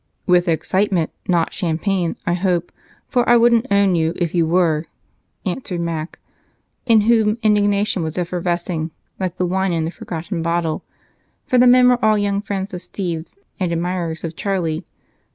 "With excitement, not champagne, I hope, for I wouldn't own you if you were," answered Mac, in whom indignation was effervescing like the wine in the forgotten bottle, for the men were all young, friends of Steve's and admirers of Charlie's.